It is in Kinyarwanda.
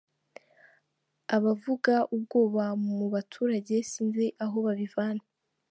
Abavuga ubwoba mu baturage sinzi aho babivana.